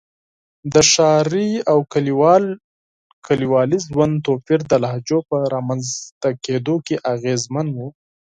د ښاري او کلیوالي ژوند توپیر د لهجو په رامنځته کېدو کې اغېزمن و.